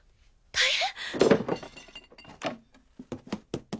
大変！